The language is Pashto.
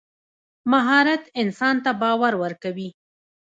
مهارت انسان ته باور ورکوي.